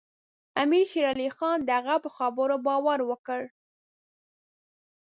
امیر شېر علي خان د هغه په خبرو باور وکړ.